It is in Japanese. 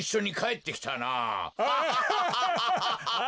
アハハハ。